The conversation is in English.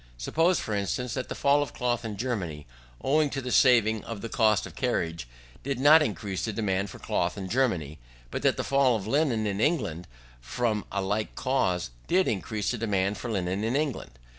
Suppose, for instance, that the fall of cloth in Germany owing to the saving of the cost of carriage, did not increase the demand for cloth in Germany; but that the fall of linen in England from a like cause, did increase the demand for linen in England.